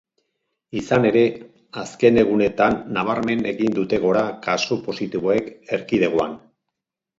Izan ere, azken egunetan nabarmen egin dute gora kasu positiboek erkidegoan.